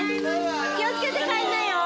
気を付けて帰んなよ。